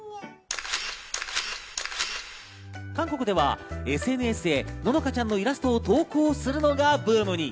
韓国ではＳＮＳで乃々佳ちゃんのイラストを投稿するのがブームに。